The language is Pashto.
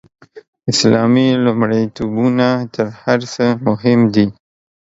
اسلامي لومړیتوبونه تر هر څه مهم دي.